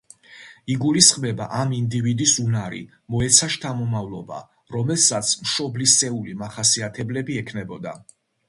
იგულისხმება ამ ინდივიდის უნარი, მოეცა შთამომავლობა, რომელსაც მშობლისეული მახასიათებლები ექნებოდა.